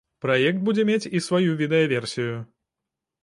Праект будзе мець і сваю відэаверсію.